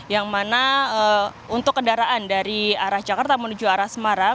yang mana untuk kendaraan dari arah jakarta menuju arah semarang